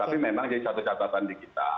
tapi memang jadi satu catatan di kita